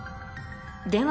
では